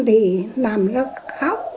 thì làm ra khóc